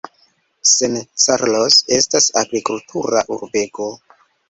San Carlos estas agrikultura urbego.